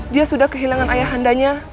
dia sudah kehilangan ayahandanya